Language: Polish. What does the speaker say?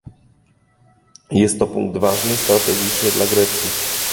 Jest to punkt ważny strategicznie dla Grecji